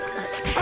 あ！